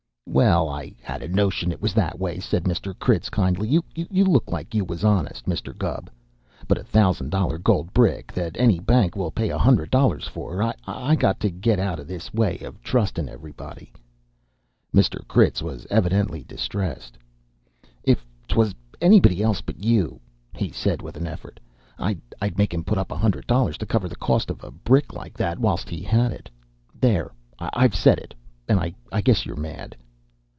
"Well, I had a notion it was that way," said Mr. Critz kindly. "You look like you was honest, Mr. Gubb. But a thousand dollar gold brick, that any bank will pay a hundred dollars for I got to get out of this way of trustin' everybody " Mr. Critz was evidently distressed. "If 'twas anybody else but you," he said with an effort, "I'd make him put up a hundred dollars to cover the cost of a brick like that whilst he had it. There! I've said it, and I guess you're mad!"